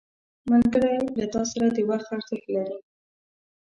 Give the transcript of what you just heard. ملګری له تا سره د وخت ارزښت لري